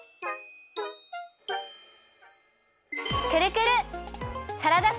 くるくる！